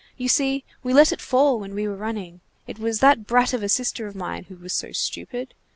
You see, we let it fall when we were running. It was that brat of a sister of mine who was so stupid.